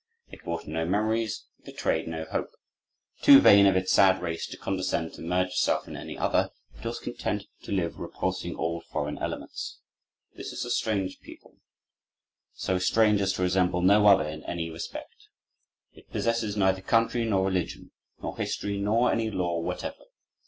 It brought no memories; it betrayed no hope. Too vain of its sad race to condescend to merge itself in any other, it was content to live repulsing all foreign elements.... This is a strange people, so strange as to resemble no other in any respect. It possesses neither country, nor religion, nor history, nor any law whatever....